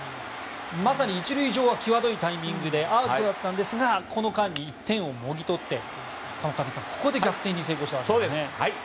まさに１塁上際どいタイミングでアウトでしたがこの間に１点をもぎ取って川上さん、ここで逆転に成功したんですね。